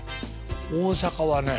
大阪はね